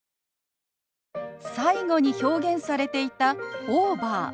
最後に表現されていた「オーバー」。